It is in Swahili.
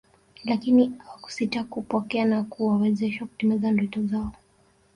Lakini awakusita kuwapokea na kuwawezesha kutimiza ndoto zao